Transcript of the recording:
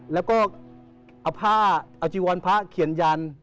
แล้วก็เอาผ้าอาจีวรพระเขียนยัน